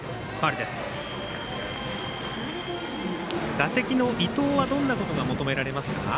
打席の伊藤はどんなことが求められますか？